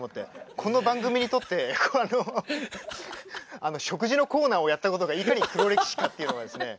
この番組にとって食事のコーナーをやったことがいかに黒歴史かというのがですね